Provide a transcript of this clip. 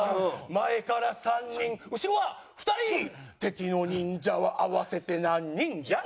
「前から３人後ろは２人」「敵の忍者は合わせて何人じゃ？」